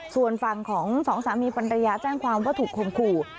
ส่วนฝั่งของสองสามีภรรยาแจ้งความว่าถูกคมขู่